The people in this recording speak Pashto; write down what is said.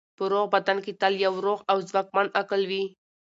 په روغ بدن کې تل یو روغ او ځواکمن عقل وي.